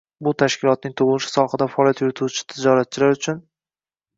Bu tashkilotning tug‘ilishi sohada faoliyat yurituvchi tijoratchilar uchun